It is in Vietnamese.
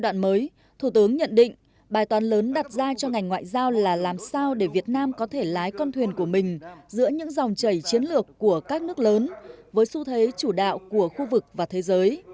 trong giai đoạn mới thủ tướng nhận định bài toán lớn đặt ra cho ngành ngoại giao là làm sao để việt nam có thể lái con thuyền của mình giữa những dòng chảy chiến lược của các nước lớn với xu thế chủ đạo của khu vực và thế giới